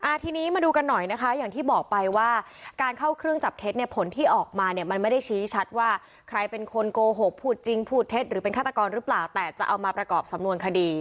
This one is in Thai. ทีนี้มาดูกันหน่อยนะคะอย่างที่บอกไปว่าการเข้าเครื่องจับเท็จเนี่ยผลที่ออกมาเนี่ยมันไม่ได้ชี้ชัดว่าใครเป็นคนโกหกพูดจริงพูดเท็จหรือเป็นฆาตกรหรือเปล่าแต่จะเอามาประกอบสำนวนคดี